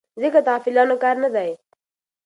ذکر د غافلانو کار نه دی.